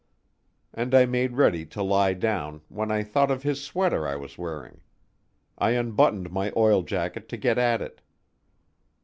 And I made ready to lie down, when I thought of his sweater I was wearing. I unbuttoned my oil jacket to get at it.